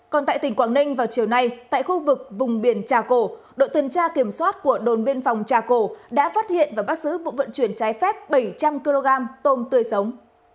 còn tại tỉnh quảng ninh vào chiều nay tại khu vực vùng biển trà cổ đội tuần tra kiểm soát của đồn biên phòng trà cổ đã phát hiện và bắt giữ vụ vận chuyển trái phép bảy trăm linh kg tôm tươi sống